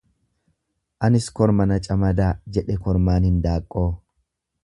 Anis korma na camadaa jedhe kormaan hindaaqqoo.